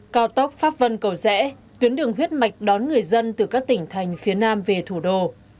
cao tốc pháp vân cầu rẽ tuyến đường huyết mạch đón người dân từ các tỉnh thành phía nam về thủ đô